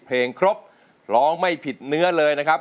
ครบร้องไม่ผิดเนื้อเลยนะครับ